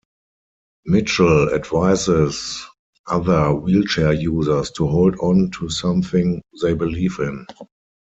Mitchell advises other wheelchair users to hold on to something they believe in.